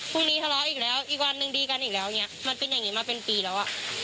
พรุ่งนี้ทะเลาะอีกแล้วอีกวันหนึ่งดีกันอีกแล้วมันเป็นอย่างนี้มาเป็นปีแล้ว